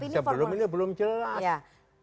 sebelum ini belum jelas